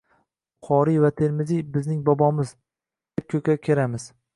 “Buxoriy va Termiziy – bizning bobomiz”, deb ko‘krak keramiz.